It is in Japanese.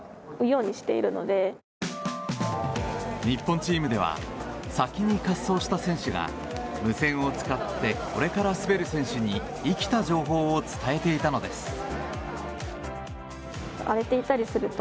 日本チームでは先に滑走した選手が無線を使ってこれから滑る選手に生きた情報を伝えていたのです。